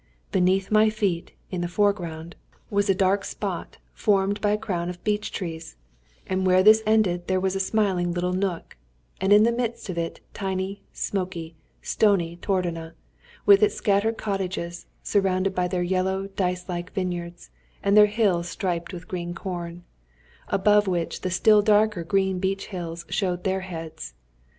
Beneath my feet, in the foreground, was a dark spot formed by a crown of beech trees, and where this ended there was a smiling little nook, and in the midst of it tiny, smoky, stony Tordona, with its scattered cottages, surrounded by their yellow dice like vineyards, and their hills striped with green corn, above which the still darker green beech hills show their heads.